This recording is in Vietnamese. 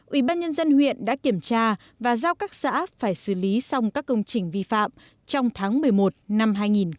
ủy ban nhân dân huyện đã kiểm tra và giao các xã phải xử lý xong các công trình vi phạm trong tháng một mươi một năm hai nghìn một mươi chín